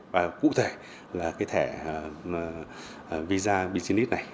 và cụ thể là cái thẻ visa business này